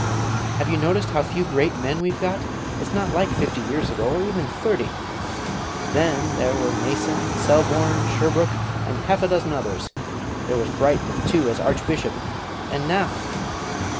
"Have you noticed how few great men we've got? It's not like fifty years ago, or even thirty. Then there were Mason, Selborne, Sherbrook, and half a dozen others. There was Brightman, too, as Archbishop: and now!